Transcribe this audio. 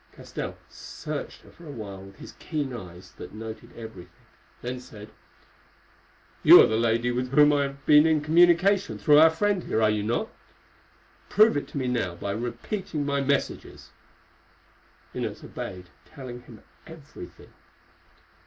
Castell searched her for a while with his keen eyes that noted everything, then said: "You are the lady with whom I have been in communication through our friend here, are you not? Prove it to me now by repeating my messages." Inez obeyed, telling him everything.